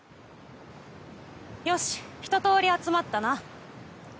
よしひととおり集まったな。